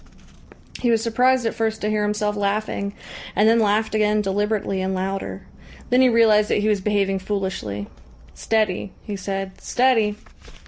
He was surprised at first to hear himself laughing, and then laughed again deliberately and louder. Then he realised that he was behaving foolishly. "Steady," he said. "Steady!"